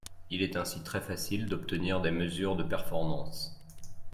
Il est ainsi très facile d'obtenir des mesures de performance